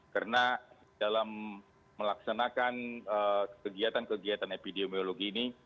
karena dalam melaksanakan kegiatan kegiatan epidemiologi ini